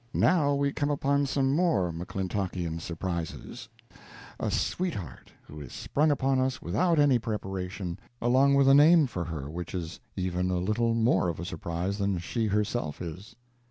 Now we come upon some more McClintockian surprises a sweetheart who is sprung upon us without any preparation, along with a name for her which is even a little more of a surprise than she herself is.